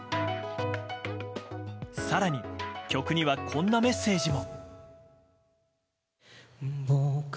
更に、曲にはこんなメッセージも。